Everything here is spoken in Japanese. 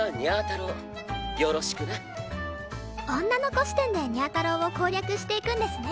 女の子視点でにゃ太郎を攻略していくんですね。